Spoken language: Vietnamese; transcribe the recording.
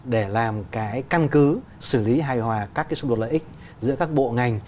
để làm cái căn cứ xử lý hài hòa các cái xung đột lợi ích giữa các bộ ngành